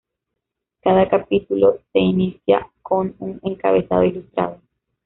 Cada capítulo se inicia con un encabezado ilustrado.